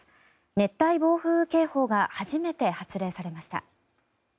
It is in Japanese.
熱帯暴風雨警報が初めて発令されました。